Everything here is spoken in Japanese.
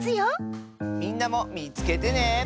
みんなもみつけてね。